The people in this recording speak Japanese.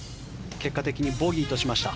結果的にボギーとしました。